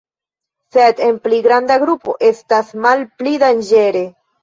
Sed en pli granda grupo estas malpli danĝere.